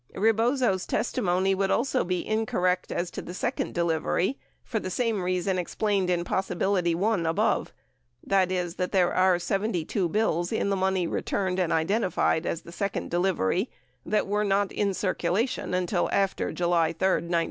Rebozo's testimony would also be in correct as to the second delivery, for the same reason explained in possibility 1 above, that is, there are 72 bills in the money returned and identified as the second delivery that were not in circulation until after July 3, 1970.